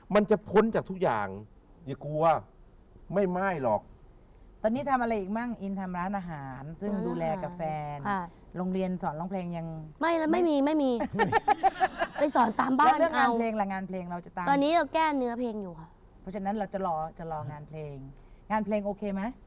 มันจะพ้นจากทุกอย่างอย่ากลัวไม่ม้ายหรอก